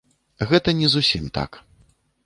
Гэта не зусім так.